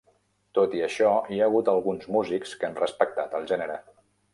Tot i això, hi ha hagut alguns músics que han respectat el gènere.